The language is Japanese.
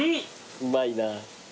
うまいな。